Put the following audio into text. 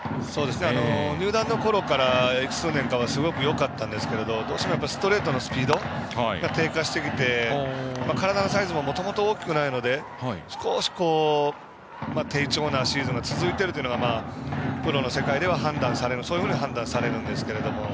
入団のころはすごくよかったんですがどうしてもストレートのスピードが低下してきて体のサイズももともと大きくないので少し低調なシーズンが続いているのがプロの世界では、そういうふうに判断されるんですけれども。